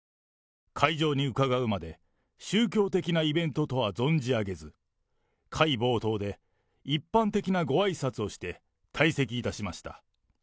会場に伺うまで、宗教的なイベントとは存じ上げず、会冒頭で、一般的なごあいさつをして、退席いたしました。